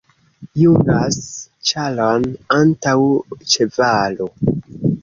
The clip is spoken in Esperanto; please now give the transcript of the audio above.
Jungas ĉaron antaŭ ĉevalo.